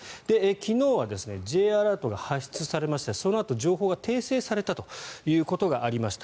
昨日はＪアラートが発出されましてそのあと情報が提出されたということがありました。